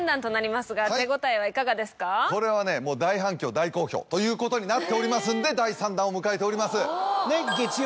これはねもう。ということになっておりますんで第３弾を迎えております。